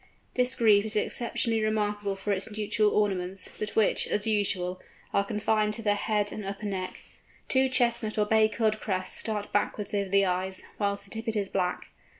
This Grebe is exceptionally remarkable for its nuptial ornaments, but which, as usual, are confined to the head and upper neck. Two chestnut or bay coloured crests start backwards over the eyes, whilst the tippet is black.